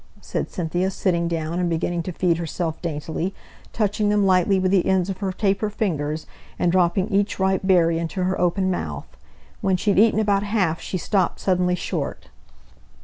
said Cynthia, sitting down and beginning to feed herself daintily, touching them lightly with the ends of her taper fingers, and dropping each ripe berry into her open mouth. When she had eaten about half she stopped suddenly short.